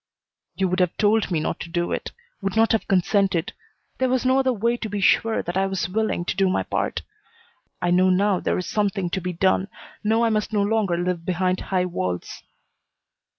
"You would have told me not to do it; would not have consented. There was no other way to be sure that I was willing to do my part. I know now there is something to be done, know I must no longer live behind high walls."